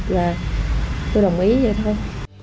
vậy là tôi đồng ý vậy thôi